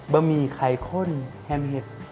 ะหมี่ไข่ข้นแฮมเห็ด